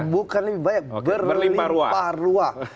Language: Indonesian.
bukan lebih banyak berlimpah ruah